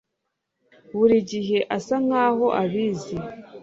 buri gihe asa nkaho abizi